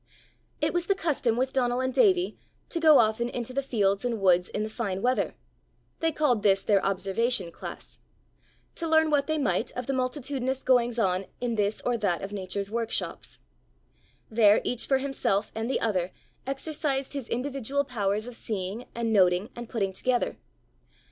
It was the custom with Donal and Davie to go often into the fields and woods in the fine weather they called this their observation class to learn what they might of the multitudinous goings on in this or that of Nature's workshops: there each for himself and the other exercised his individual powers of seeing and noting and putting together.